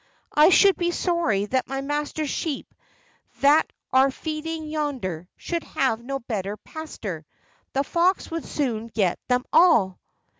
I should be sorry that my master's sheep, that are feeding yonder, should have no better pastor the fox would soon get them all."